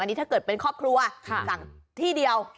นี่ถ้าเกิดเป็นครอบครัวสั่งที่เดียว